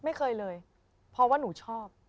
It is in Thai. ไม่เคยเลยเพราะว่าหนูชอบ